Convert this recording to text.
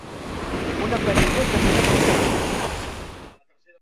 Una parella camina pel carrer